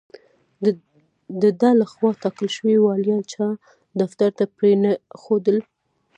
د ده له خوا ټاکل شوي والیان چا دفتر ته پرې نه ښودل.